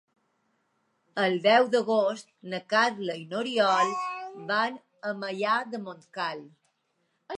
El deu d'agost na Carla i n'Oriol van a Maià de Montcal.